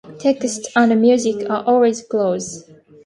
Text and music are always close.